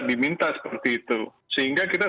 diminta seperti itu sehingga kita